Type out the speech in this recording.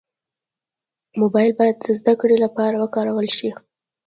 موبایل باید د زدهکړې لپاره وکارول شي.